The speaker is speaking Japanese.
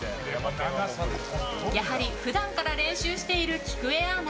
やはり普段から練習しているきくえアナ。